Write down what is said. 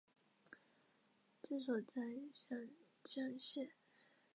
治所在牂牁县。